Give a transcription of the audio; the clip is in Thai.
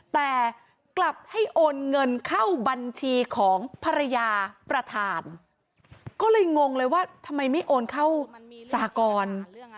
แต่กลับให้โอนเงินเข้าบัญชีของภรรยาประธานก็เลยงงเลยว่าทำไมไม่โอนเข้าสหกร